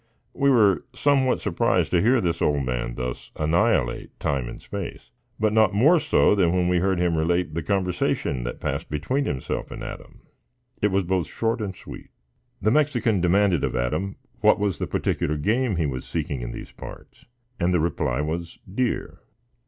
We were somewhat surprised to hear this old man thus annihilate time and space, but not more so than when we heard him relate the conversation that passed between himself and Adam. It was both short and sweet. The Mexican demanded of Adam what was the particular game he was seeking in these parts, and the reply was deer.